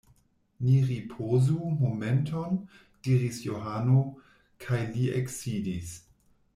Ni ripozu momenton, diris Johano, kaj li eksidis.